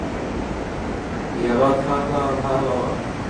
In about half an hour the giddiness went away.